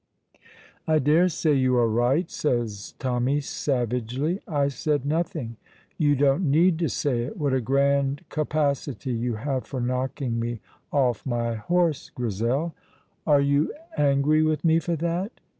"I daresay you are right," says Tommy, savagely. "I said nothing." "You don't need to say it. What a grand capacity you have for knocking me off my horse, Grizel!" "Are you angry with me for that?"